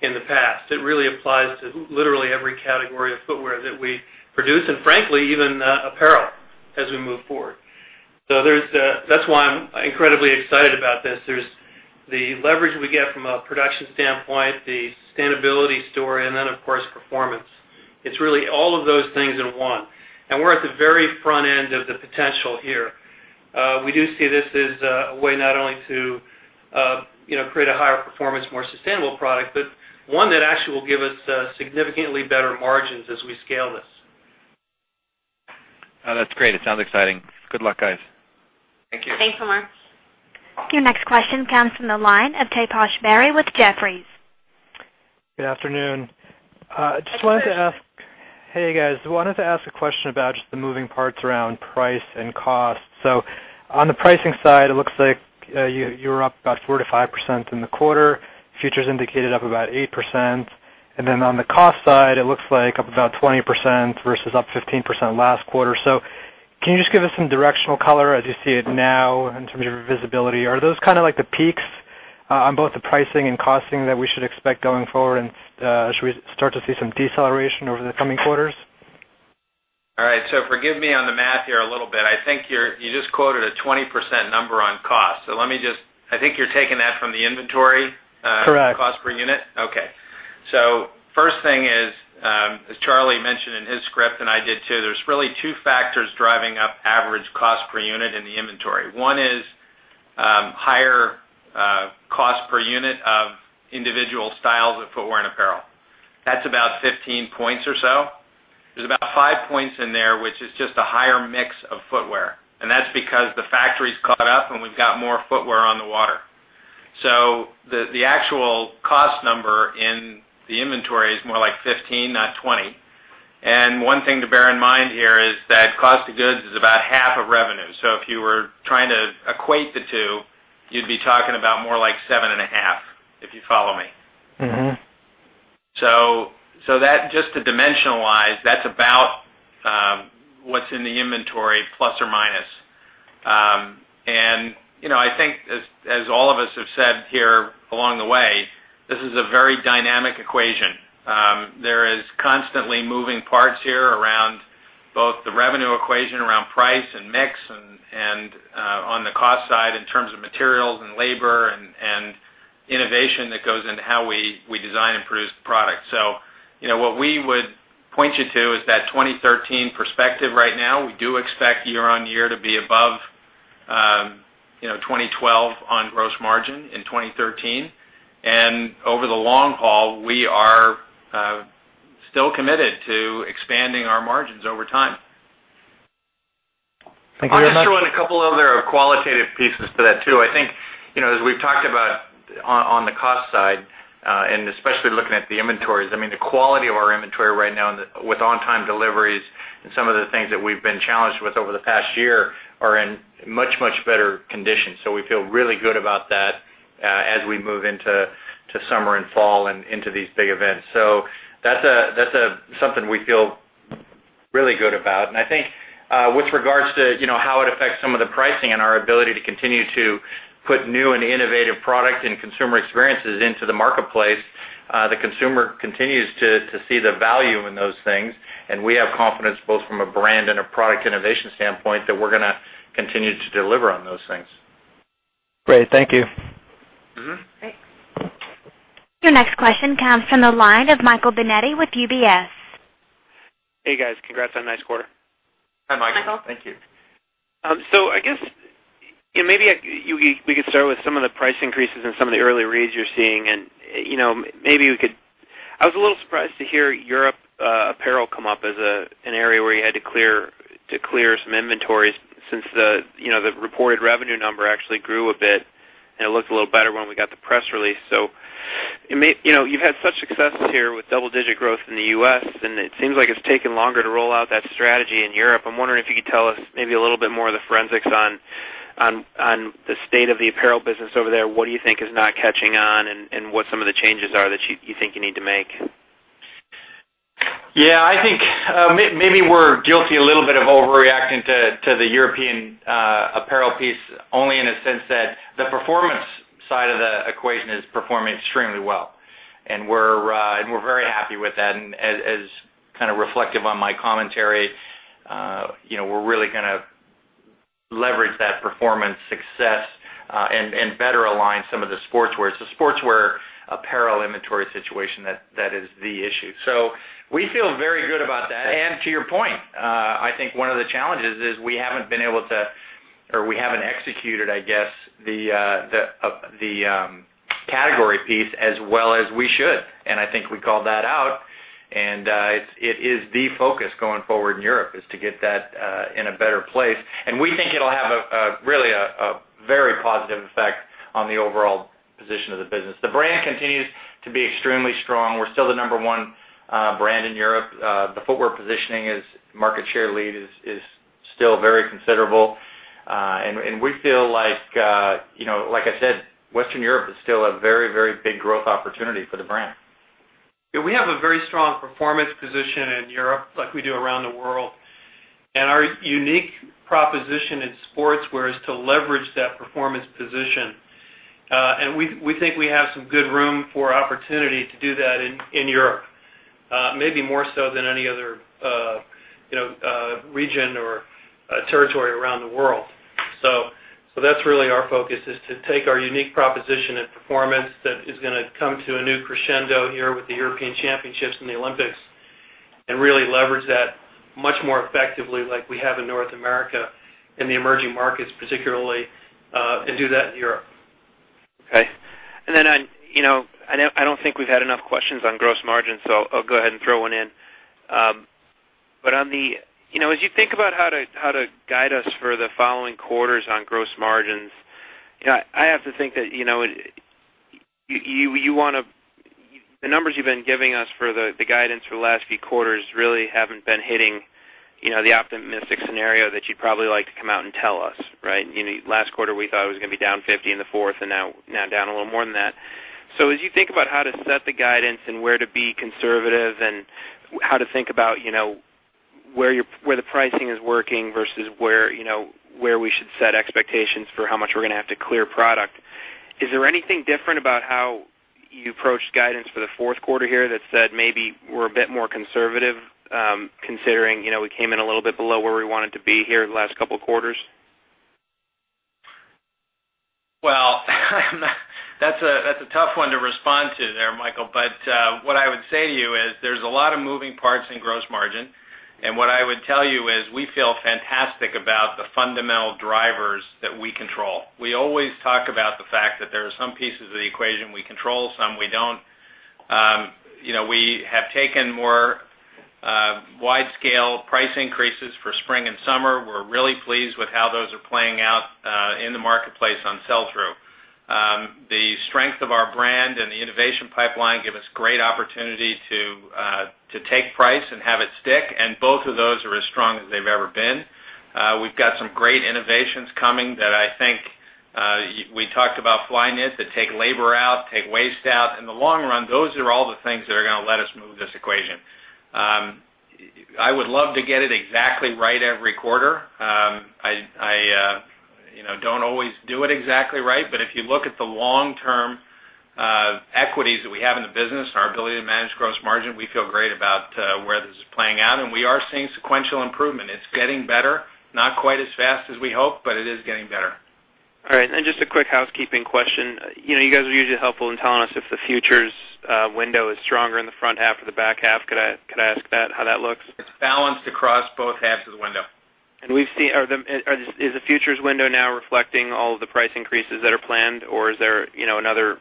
in the past. It really applies to literally every category of footwear that we produce and, frankly, even apparel as we move forward. That's why I'm incredibly excited about this. There's the leverage we get from a production standpoint, the sustainability story, and then, of course, performance. It's really all of those things in one. We're at the very front end of the potential here. We do see this as a way not only to create a higher performance, more sustainable product, but one that actually will give us significantly better margins as we scale this. That's great. It sounds exciting. Good luck, guys. Thanks, Omar. Your next question comes from the line of Taposh Bari with Jefferies. Good afternoon. I just wanted to ask, I wanted to ask a question about just the moving parts around price and cost. On the pricing side, it looks like you were up about 4%-5% in the quarter. Futures indicated up about 8%. On the cost side, it looks like up about 20% versus up 15% last quarter. Can you just give us some directional color as you see it now in terms of your visibility? Are those kind of like the peaks on both the pricing and costing that we should expect going forward? Should we start to see some deceleration over the coming quarters? All right, forgive me on the math here a little bit. I think you just quoted a 20% number on cost. Let me just, I think you're taking that from the inventory. Correct. Cost per unit? Okay. As Charlie mentioned in his script and I did, too, there are really two factors driving up average cost per unit in the inventory. One is higher cost per unit of individual styles of footwear and apparel. That's about 15 points or so. There is about five points in there, which is just a higher mix of footwear. That is because the factories caught up and we've got more footwear on the water. The actual cost number in the inventory is more like 15%, not 20%. One thing to bear in mind here is that cost of goods is about half of revenue. If you were trying to equate the two, you'd be talking about more like 7.5%, if you follow me. Mm-hmm. To dimensionalize, that's about what's in the inventory plus or minus. I think, as all of us have said here along the way, this is a very dynamic equation. There are constantly moving parts here around both the revenue equation, around price and mix, and on the cost side in terms of materials and labor and innovation that goes into how we design and produce the product. What we would point you to is that 2013 perspective right now. We do expect year on year to be above 2012 on gross margin in 2013. Over the long haul, we are still committed to expanding our margins over time. Thank you very much. I'll throw in a couple other qualitative pieces to that, too. I think, as we've talked about on the cost side, and especially looking at the inventories, the quality of our inventory right now with on-time deliveries and some of the things that we've been challenged with over the past year are in much, much better condition. We feel really good about that as we move into summer and fall and into these big events. That's something we feel really good about. I think with regards to how it affects some of the pricing and our ability to continue to put new and innovative product and consumer experiences into the marketplace, the consumer continues to see the value in those things. We have confidence both from a brand and a product innovation standpoint that we're going to continue to deliver on those things. Great, thank you. Your next question comes from the line of Michael Binetti with UBS. Hey, guys, congrats on the next quarter. Hi, Michael. I guess, you know, maybe we could start with some of the price increases and some of the early reads you're seeing. I was a little surprised to hear Europe apparel come up as an area where you had to clear some inventories since the reported revenue number actually grew a bit, and it looked a little better when we got the press release. You've had such success here with double-digit growth in the U.S., and it seems like it's taken longer to roll out that strategy in Europe. I'm wondering if you could tell us maybe a little bit more of the forensics on the state of the apparel business over there. What do you think is not catching on and what some of the changes are that you think you need to make? Yeah, I think maybe we're guilty a little bit of overreacting to the European apparel piece only in a sense that the performance side of the equation is performing extremely well, and we're very happy with that. As kind of reflective on my commentary, you know, we're really going to leverage that performance success and better align some of the sportswear apparel inventory situation that is the issue. We feel very good about that. To your point, I think one of the challenges is we haven't been able to, or we haven't executed, I guess, the category piece as well as we should. I think we called that out. It is the focus going forward in Europe to get that in a better place. We think it'll have really a very positive effect on the overall position of the business. The brand continues to be extremely strong. We're still the number one brand in Europe. The footwear positioning is market share lead is still very considerable. We feel like, you know, like I said, Western Europe is still a very, very big growth opportunity for the brand. We have a very strong performance position in Europe like we do around the world. Our unique proposition in sportswear is to leverage that performance position. We think we have some good room for opportunity to do that in Europe, maybe more so than any other region or territory around the world. That's really our focus, to take our unique proposition and performance that is going to come to a new crescendo here with the European Championships and the Olympics and really leverage that much more effectively like we have in North America and the emerging markets, particularly, and do that in Europe. Okay. I don't think we've had enough questions on gross margins, so I'll go ahead and throw one in. As you think about how to guide us for the following quarters on gross margins, I have to think that you want to, the numbers you've been giving us for the guidance for the last few quarters really haven't been hitting the optimistic scenario that you'd probably like to come out and tell us, right? Last quarter we thought it was going to be down 50 in the fourth and now down a little more than that. As you think about how to set the guidance and where to be conservative and how to think about where the pricing is working versus where we should set expectations for how much we're going to have to clear product, is there anything different about how you approached guidance for the fourth quarter here that said maybe we're a bit more conservative considering we came in a little bit below where we wanted to be here in the last couple of quarters? That's a tough one to respond to there, Michael. What I would say to you is there's a lot of moving parts in gross margin. What I would tell you is we feel fantastic about the fundamental drivers that we control. We always talk about the fact that there are some pieces of the equation we control, some we don't. We have taken more wide-scale price increases for spring and summer. We're really pleased with how those are playing out in the marketplace on sell-through. The strength of our brand and the innovation pipeline give us great opportunity to take price and have it stick, and both of those are as strong as they've ever been. We've got some great innovations coming that I think we talked about, Flyknit, that take labor out, take waste out. In the long run, those are all the things that are going to let us move this equation. I would love to get it exactly right every quarter. I don't always do it exactly right, but if you look at the long-term equities that we have in the business and our ability to manage gross margin, we feel great about where this is playing out. We are seeing sequential improvement. It's getting better, not quite as fast as we hoped, but it is getting better. All right. Just a quick housekeeping question. You guys are usually helpful in telling us if the futures window is stronger in the front half or the back half. Could I ask how that looks? It's balanced across both halves of the window. Is the futures window now reflecting all of the price increases that are planned, or is there another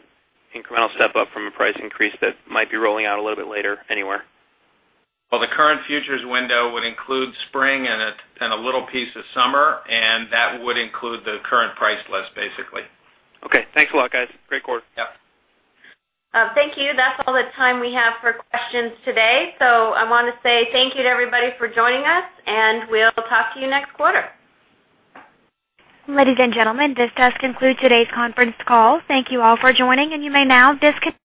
incremental step up from a price increase that might be rolling out a little bit later anywhere? The current futures window would include spring and a little piece of summer, and that would include the current price list, basically. Okay, thanks a lot, guys. Great quarter. Thank you. That's all the time we have for questions today. I want to say thank you to everybody for joining us, and we'll talk to you next quarter. Ladies and gentlemen, this does conclude today's conference call. Thank you all for joining, and you may now disconnect.